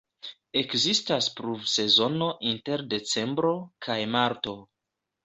Ekzistas pluvsezono inter decembro kaj marto.